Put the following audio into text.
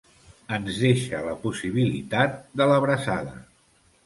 Ens deixa la possibilitat de l'abraçada.